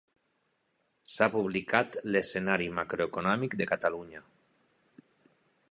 S'ha publicat l'Escenari macroeconòmic de Catalunya.